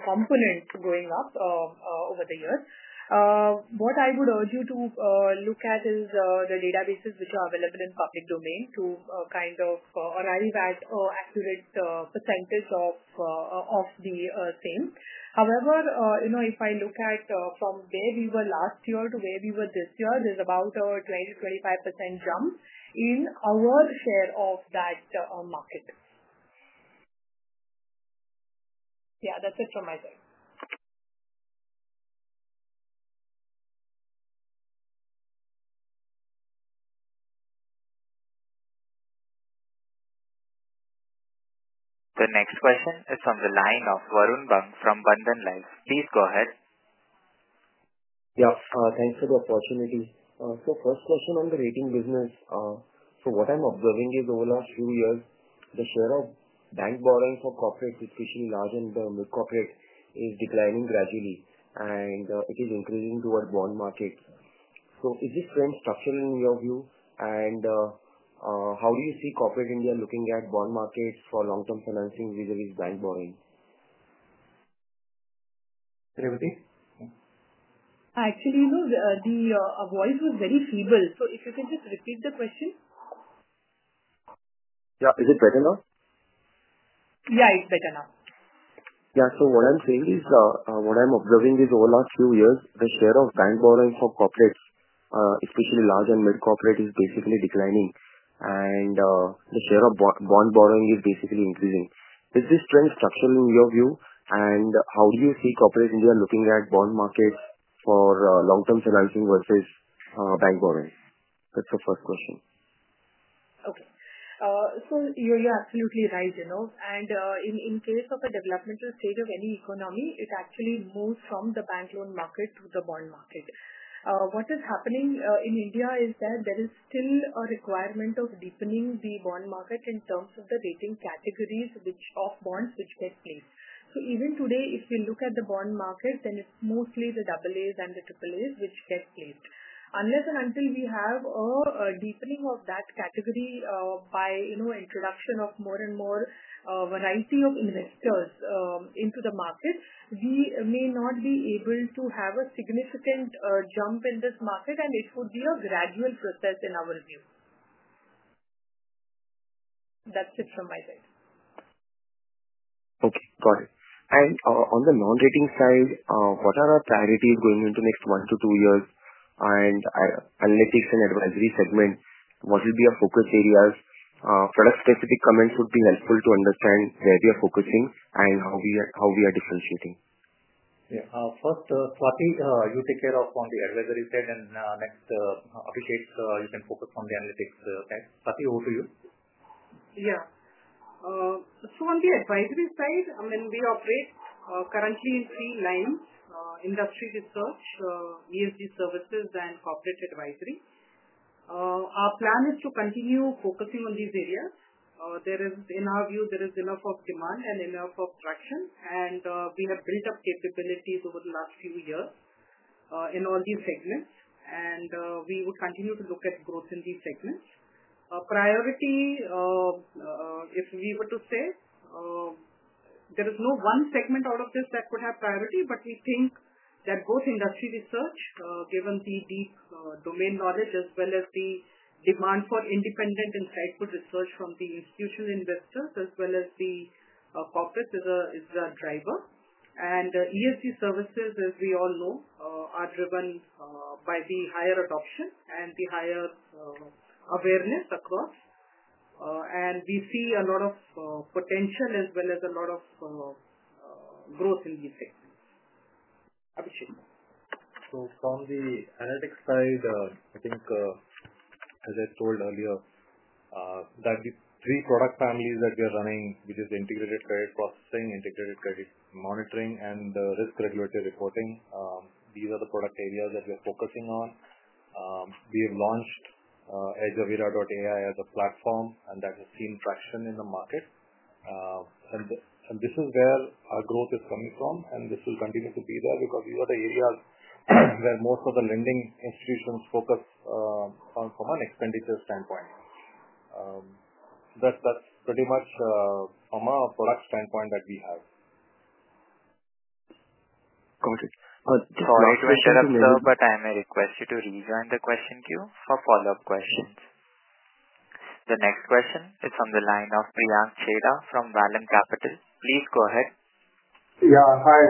components going up over the years. What I would urge you to look at is the databases which are available in public domain to kind of arrive at an accurate percentage of the same. However, if I look at from where we were last year to where we were this year, there is about a 20-25% jump in our share of that market. Yeah, that's it from my side. The next question is from the line of Varun Bang from Bandhan Life. Please go ahead. Yeah, thanks for the opportunity. First question on the rating business. What I'm observing is over the last few years, the share of bank borrowings for corporates, especially large and mid-corporate, is declining gradually, and it is increasing towards bond markets. Is this trend structural in your view? How do you see corporate India looking at bond markets for long-term financing vis-à-vis bank borrowing? Revati? Actually, the voice was very feeble. If you can just repeat the question. Yeah, is it better now? Yeah, it's better now. Yeah, so what I'm saying is what I'm observing is over the last few years, the share of bank borrowing for corporates, especially large and mid-corporate, is basically declining, and the share of bond borrowing is basically increasing. Is this trend structural in your view? How do you see corporate India looking at bond markets for long-term financing versus bank borrowing? That's the first question. Okay. You're absolutely right. In case of a developmental stage of any economy, it actually moves from the bank loan market to the bond market. What is happening in India is that there is still a requirement of deepening the bond market in terms of the rating categories of bonds which get placed. Even today, if you look at the bond market, then it's mostly the AAs and the AAAs which get placed. Unless and until we have a deepening of that category by introduction of more and more variety of investors into the market, we may not be able to have a significant jump in this market, and it would be a gradual process in our view. That's it from my side. Okay, got it. On the non-rating side, what are our priorities going into the next one to two years? In analytics and advisory segment, what will be our focus areas? Product-specific comments would be helpful to understand where we are focusing and how we are differentiating. Yeah, first, Swati, you take care of on the advisory side, and next, Abhijit, you can focus on the analytics. Swati, over to you. Yeah. On the advisory side, I mean, we operate currently in three lines: industry research, ESG services, and corporate advisory. Our plan is to continue focusing on these areas. In our view, there is enough demand and enough traction, and we have built up capabilities over the last few years in all these segments, and we would continue to look at growth in these segments. Priority, if we were to say, there is no one segment out of this that could have priority, but we think that both industry research, given the deep domain knowledge as well as the demand for independent, insightful research from the institutional investors as well as the corporates, is a driver. ESG services, as we all know, are driven by the higher adoption and the higher awareness across. We see a lot of potential as well as a lot of growth in these segments. Abhijit. From the analytics side, I think, as I told earlier, that the three product families that we are running, which is integrated credit processing, integrated credit monitoring, and risk regulatory reporting, these are the product areas that we are focusing on. We have launched EdgeAvira.ai as a platform, and that has seen traction in the market. This is where our growth is coming from, and this will continue to be there because these are the areas where most of the lending institutions focus from an expenditure standpoint. That is pretty much from a product standpoint that we have. Got it. Just a moment. Sorry to interrupt, sir, but I may request you to rejoin the question queue for follow-up questions. The next question is from the line of Priyank Cheda from Valem Capital. Please go ahead. Yeah, hi.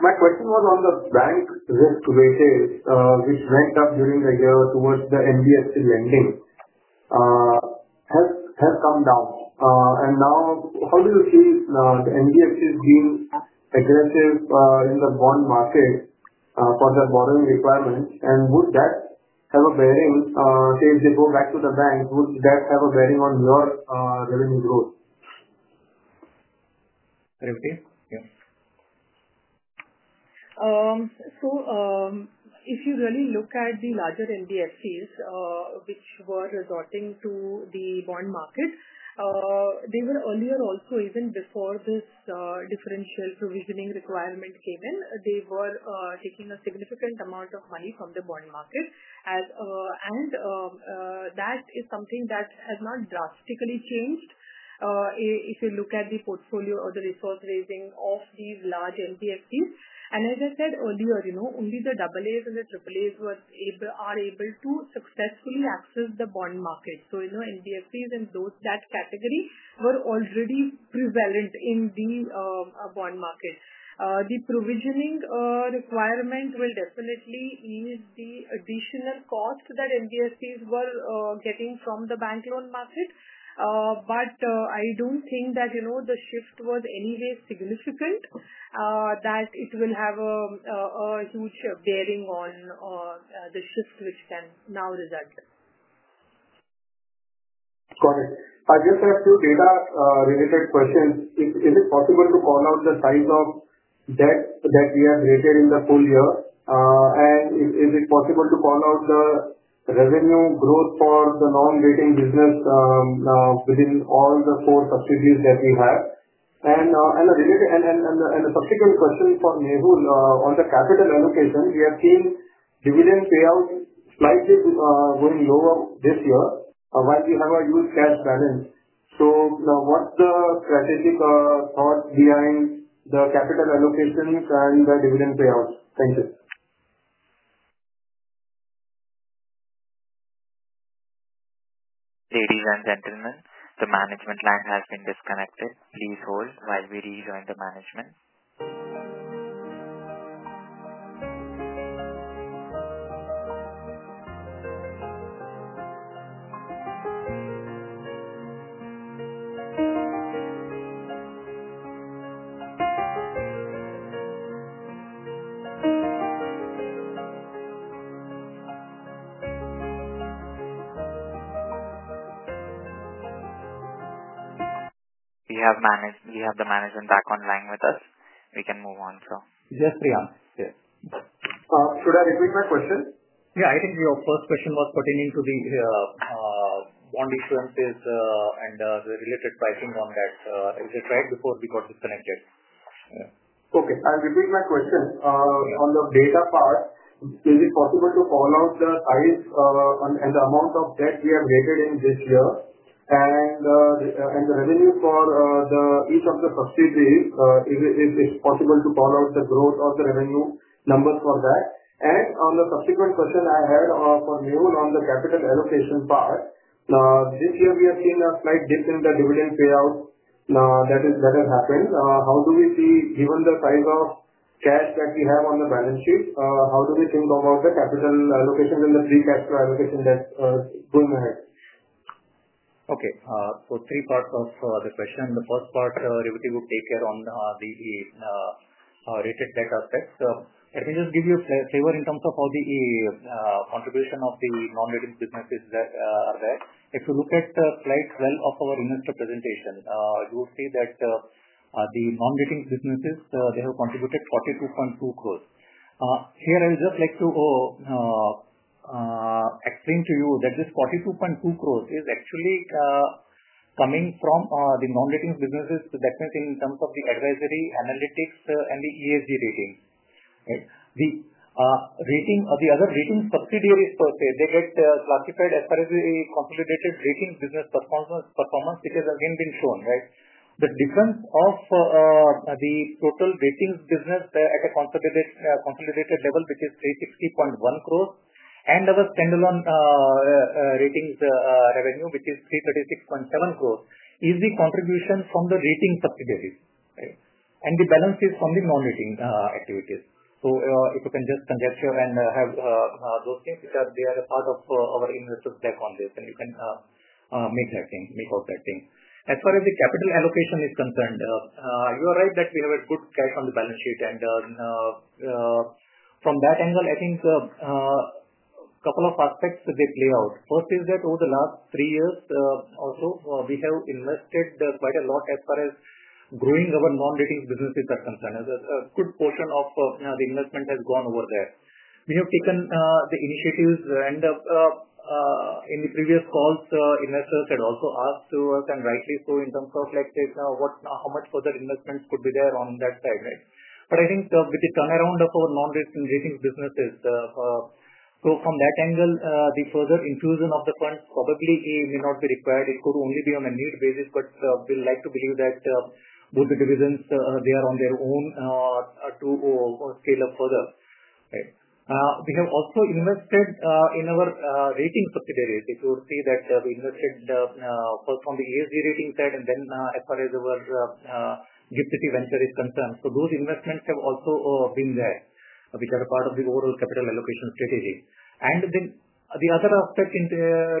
My question was on the bank risk weightage, which went up during the year towards the NBFC lending has come down. Now, how do you see the NBFCs being aggressive in the bond market for their borrowing requirements? Would that have a bearing? Say if they go back to the bank, would that have a bearing on your revenue growth? Revati, yeah. If you really look at the larger NBFCs which were resorting to the bond market, they were earlier also, even before this differential provisioning requirement came in, they were taking a significant amount of money from the bond market. That is something that has not drastically changed if you look at the portfolio or the resource raising of these large NBFCs. As I said earlier, only the AAs and the AAAs are able to successfully access the bond market. NBFCs in that category were already prevalent in the bond market. The provisioning requirement will definitely ease the additional cost that NBFCs were getting from the bank loan market. I do not think that the shift was anyway significant, that it will have a huge bearing on the shift which can now result. Got it. I just have two data-related questions. Is it possible to call out the size of debt that we have rated in the full year? Is it possible to call out the revenue growth for the non-rating business within all the four subsidiaries that we have? A subsequent question for Mehul, on the capital allocation, we have seen dividend payout slightly going lower this year while we have a huge cash balance. What is the strategic thought behind the capital allocations and the dividend payouts? Thank you. Ladies and gentlemen, the management line has been disconnected. Please hold while we rejoin the management. We have the management back online with us. We can move on, sir. Yes, Priyank. Yeah. Should I repeat my question? Yeah, I think your first question was pertaining to the bond issuances and the related pricing on that. Is it right before we got disconnected? Yeah. Okay. I'll repeat my question. On the data part, is it possible to call out the size and the amount of debt we have rated in this year? Is the revenue for each of the subsidiaries, if it's possible to call out the growth of the revenue numbers for that? On the subsequent question I had for Mehul on the capital allocation part, this year we have seen a slight dip in the dividend payout that has happened. How do we see, given the size of cash that we have on the balance sheet, how do we think about the capital allocation and the free cash flow allocation that's going ahead? Okay. Three parts of the question. The first part, Revati would take care on the rated debt aspect. Let me just give you a flavor in terms of how the contribution of the non-rating businesses are there. If you look at slide 12 of our investor presentation, you will see that the non-rating businesses, they have contributed 42.2 crore. Here, I would just like to explain to you that this 42.2 crore is actually coming from the non-rating businesses, that means in terms of the advisory, analytics, and the ESG ratings. The other rating subsidiaries per se, they get classified as far as the consolidated rating business performance, which has again been shown, right? The difference of the total ratings business at a consolidated level, which is 360.1 crore, and our standalone ratings revenue, which is 336.7 crore, is the contribution from the rating subsidiaries. The balance is from the non-rating activities. If you can just conjecture and have those things, they are a part of our investors' back on this, and you can make that thing, make out that thing. As far as the capital allocation is concerned, you are right that we have a good cash on the balance sheet. From that angle, I think a couple of aspects play out. First is that over the last three years, also, we have invested quite a lot as far as growing our non-rating businesses are concerned. A good portion of the investment has gone over there. We have taken the initiatives, and in the previous calls, investors had also asked to us, and rightly so, in terms of, let's say, how much further investments could be there on that side, right? I think with the turnaround of our non-rating businesses, from that angle, the further infusion of the funds probably may not be required. It could only be on a need basis, but we'd like to believe that with the divisions, they are on their own to scale up further. We have also invested in our rating subsidiaries. If you see that we invested first from the ESG rating side and then as far as our GIFT City venture is concerned. Those investments have also been there, which are part of the overall capital allocation strategy. The other aspect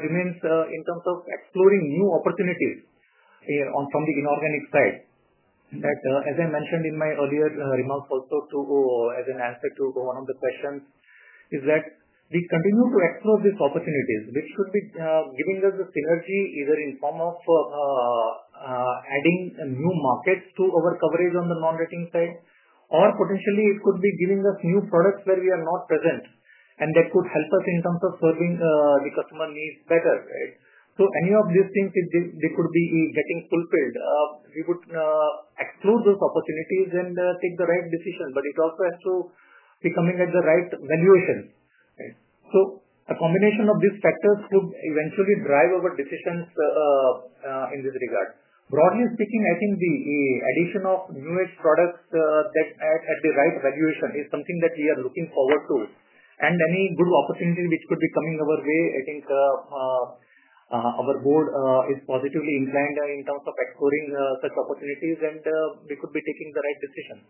remains in terms of exploring new opportunities from the inorganic side. As I mentioned in my earlier remarks also, as an answer to one of the questions, is that we continue to explore these opportunities, which could be giving us the synergy either in form of adding new markets to our coverage on the non-rating side, or potentially it could be giving us new products where we are not present, and that could help us in terms of serving the customer needs better, right? Any of these things, if they could be getting fulfilled, we would explore those opportunities and take the right decision. It also has to be coming at the right valuation. A combination of these factors could eventually drive our decisions in this regard. Broadly speaking, I think the addition of new-age products at the right valuation is something that we are looking forward to. Any good opportunity which could be coming our way, I think our board is positively inclined in terms of exploring such opportunities, and we could be taking the right decision.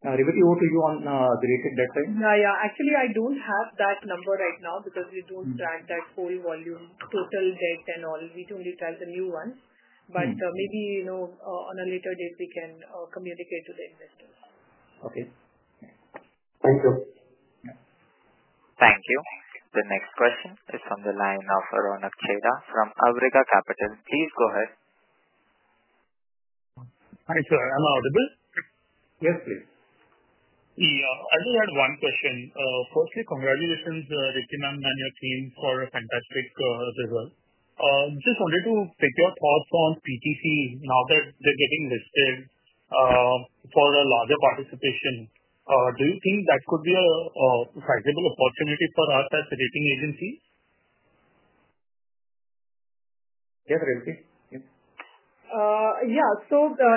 Revati, over to you on the rated debt side. Yeah, yeah. Actually, I do not have that number right now because we do not track that full volume, total debt and all. We only track the new ones. Maybe on a later date, we can communicate to the investors. Okay. Thank you. Thank you. The next question is from the line of Ronak Cheda from Abrega Capital. Please go ahead. Hi, sir. Am I audible? Yes, please. Yeah. I just had one question. Firstly, congratulations, Ritim and your team, for a fantastic result. Just wanted to take your thoughts on PTC now that they're getting listed for a larger participation. Do you think that could be a sizable opportunity for us as a rating agency? Yes, Revati. Yes. Yeah.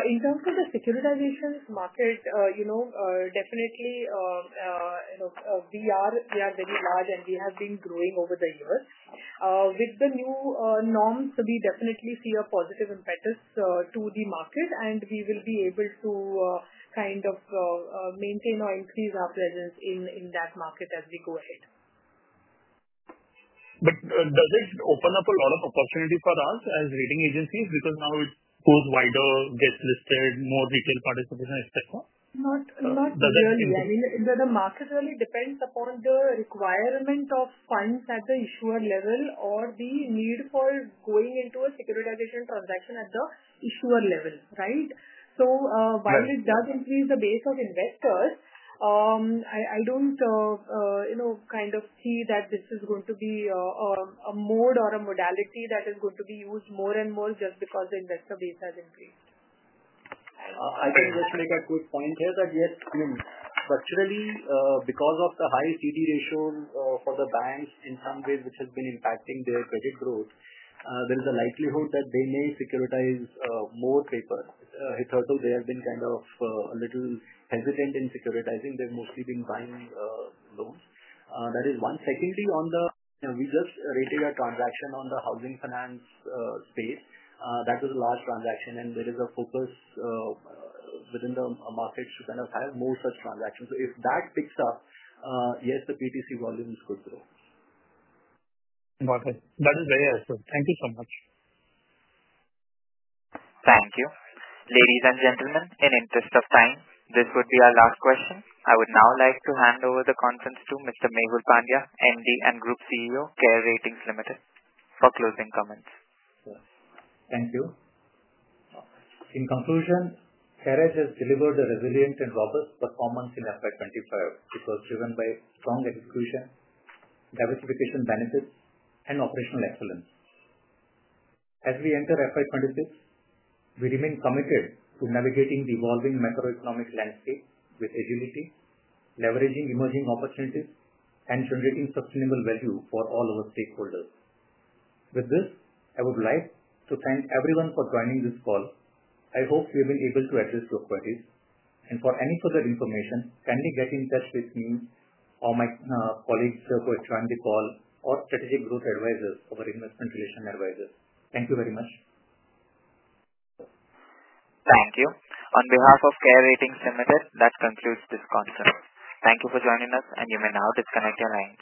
In terms of the securitization market, definitely, we are very large, and we have been growing over the years. With the new norms, we definitely see a positive impetus to the market, and we will be able to kind of maintain or increase our presence in that market as we go ahead. Does it open up a lot of opportunity for us as rating agencies because now it goes wider, gets listed, more retail participation, etc.? Not really. I mean, the market really depends upon the requirement of funds at the issuer level or the need for going into a securitization transaction at the issuer level, right? While it does increase the base of investors, I do not kind of see that this is going to be a mode or a modality that is going to be used more and more just because the investor base has increased. I think just to make a quick point here that, yes, I mean, structurally, because of the high CD ratios for the banks in some ways, which has been impacting their credit growth, there is a likelihood that they may securitize more paper. It's hurtful. They have been kind of a little hesitant in securitizing. They've mostly been buying loans. That is one. Secondly, we just rated a transaction on the housing finance space. That was a large transaction, and there is a focus within the markets to kind of have more such transactions. If that picks up, yes, the PTC volumes could grow. Got it. That is very helpful. Thank you so much. Thank you. Ladies and gentlemen, in the interest of time, this would be our last question. I would now like to hand over the conference to Mr. Mehul Pandya, MD and Group CEO, CARE Ratings Limited, for closing comments. Thank you. In conclusion, CARE has delivered a resilient and robust performance in FY 2025. It was driven by strong execution, diversification benefits, and operational excellence. As we enter FY 2026, we remain committed to navigating the evolving macroeconomic landscape with agility, leveraging emerging opportunities, and generating sustainable value for all our stakeholders. With this, I would like to thank everyone for joining this call. I hope we have been able to address your queries. For any further information, kindly get in touch with me or my colleagues who have joined the call or strategic growth advisors or investment relation advisors. Thank you very much. Thank you. On behalf of CARE Ratings Limited, that concludes this conference. Thank you for joining us, and you may now disconnect your line.